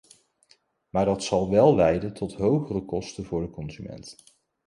Maar dat zal wel leiden tot hogere kosten voor de consument.